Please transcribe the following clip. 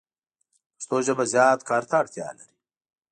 پښتو ژبه زیات کار ته اړتیا لری